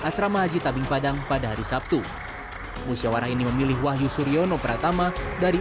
asrama haji tabing padang pada hari sabtu musyawarah ini memilih wahyu suryono pratama dari